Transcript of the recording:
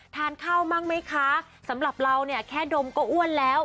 ทานข้าวบ้างไหมคะสำหรับเราเนี่ยแค่ดมก็อ้วนแล้ว